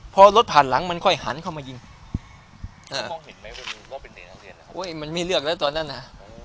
พอรถผ่านหลังมันค่อยหันเข้ามายิงเออมันไม่เลือกแล้วตอนนั้นอ่ะ